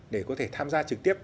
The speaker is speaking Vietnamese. để có thể tham gia trực tiếp